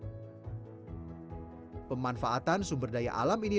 yang menjadikan cisande ini menjadi suatu peralatan yang sangat menarik